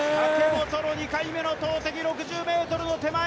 武本の２回目の投てき６０ｍの手前。